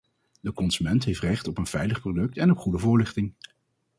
De consument heeft recht op een veilig product en op goede voorlichting.